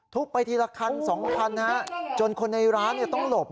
ไปทีละคัน๒คันจนคนในร้านต้องหลบ